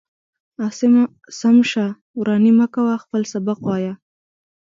عاصم سم شه وراني من كوه خپل سبق وايا.